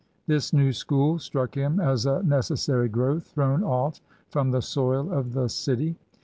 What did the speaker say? This new school struck him as a necessary growth thrown off from the soil of the city.